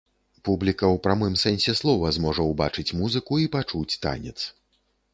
Публіка ў прамым сэнсе слова зможа ўбачыць музыку і пачуць танец.